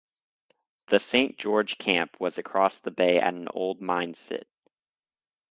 The Saint George camp was across the bay at an old mine sit.